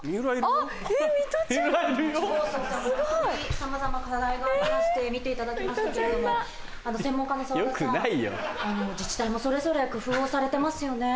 さまざま課題がありまして見ていただきましたけれども専門家の長田さん自治体もそれぞれ工夫をされてますよね。